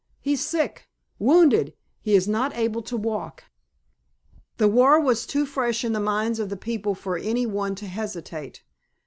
He's sick—wounded—he is not able to walk." The war was too fresh in the minds of the people for any one to hesitate.